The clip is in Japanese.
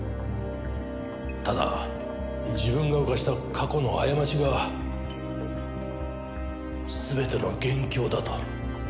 ただ自分が犯した過去の過ちが全ての元凶だと。